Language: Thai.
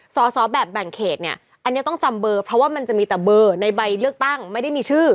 สอบแบบแบ่งเขตเนี่ยอันนี้ต้องจำเบอร์เพราะว่ามันจะมีแต่เบอร์ในใบเลือกตั้งไม่ได้มีชื่อ